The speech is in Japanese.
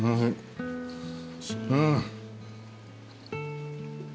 うん。